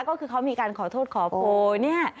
ก็คือเขามีการขอโทษขอโพยเนี่ย